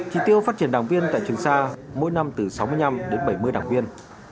chỉ tiêu phát triển đảng viên tại trường sa mỗi năm từ sáu mươi năm đến bảy mươi đảng viên